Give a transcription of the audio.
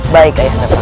baik ayahanda prabu